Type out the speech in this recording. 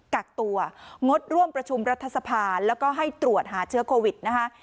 กักตัวงดร่วมประชุมรัฐสภาแล้วก็ให้ตรวจหาเชื้อโควิดนะคะ